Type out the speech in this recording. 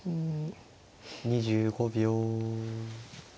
２５秒。